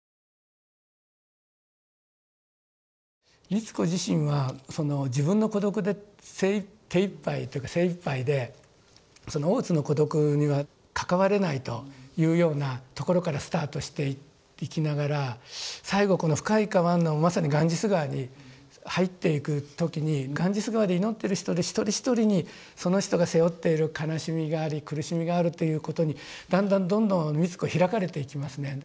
美津子自身はその自分の孤独で手いっぱいというか精いっぱいでその大津の孤独には関われないというようなところからスタートしていきながら最後この「深い河」のまさにガンジス河に入っていく時にガンジス河で祈ってる人一人一人にその人が背負っている悲しみがあり苦しみがあるということにだんだんどんどん美津子開かれていきますね。